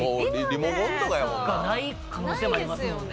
ない可能性もありますもんね